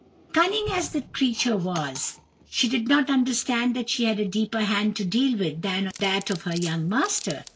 Cunning as the creature was, she did not understand that she had a deeper hand to deal with than that of her young master.